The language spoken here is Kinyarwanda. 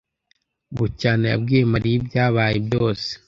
Bucyana yabwiye Mariya ibyabaye byose.